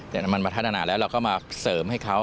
แต่มันมาพัฒนาแล้วเราก็มาเสริมให้เขา